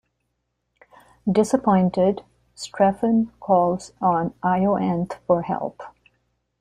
Disappointed, Strephon calls on Iolanthe for help.